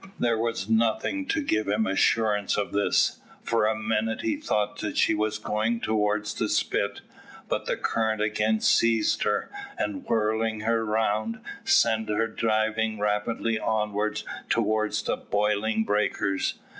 There was nothing to give him assurance of this. For a minute he thought that she was going towards the spit, but the current again seized her, and whirling her round, sent her driving rapidly onwards towards the boiling breakers.